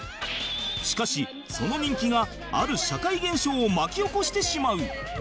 しかしその人気がある社会現象を巻き起こしてしまう